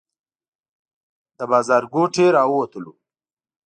له بازارګوټي راووتلو.